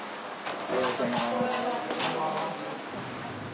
おはようございます。